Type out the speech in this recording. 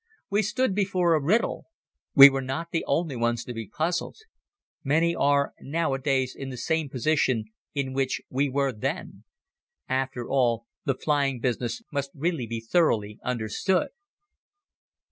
We stood before a riddle. We were not the only ones to be puzzled. Many are nowadays in the same position in which we were then. After all the flying business must really be thoroughly understood.